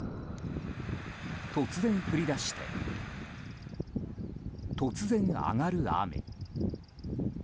突然降り出して突然上がる雨。